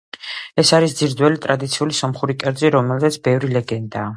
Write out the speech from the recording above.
ეს არის ძირძველი ტრადიციული სომხური კერძი, რომელზეც ბევრი ლეგენდაა.